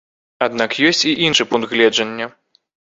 Аднак ёсць і іншы пункт гледжання.